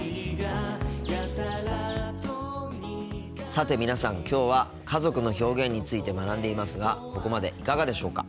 さて皆さんきょうは家族の表現について学んでいますがここまでいかがでしょうか。